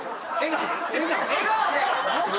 笑顔で。